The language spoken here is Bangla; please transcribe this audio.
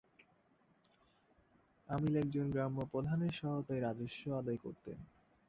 আমিল একজন গ্রাম্যপ্রধানের সহায়তায় রাজস্ব আদায় করতেন।